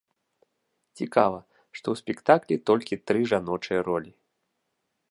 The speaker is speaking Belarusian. Цікава, што ў спектаклі толькі тры жаночыя ролі.